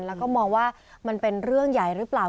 แล้วก็มองว่ามันเป็นเรื่องใหญ่หรือเปล่า